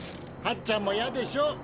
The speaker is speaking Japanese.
ハッちゃんもいやでしょ？